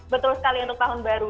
betul sekali untuk tahun baru